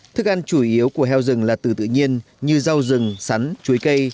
thức ăn chủ yếu của heo rừng là từ tự nhiên như rau rừng sắn chuối cây